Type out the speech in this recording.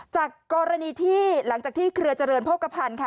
จากกรณีที่หลังจากที่เครือเจริญโภคภัณฑ์ค่ะ